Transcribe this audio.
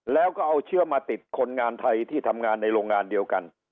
แล้วก็เอาเชื้อมาติดคนงานไทยที่ทำงานในโรงงานเดียวกัน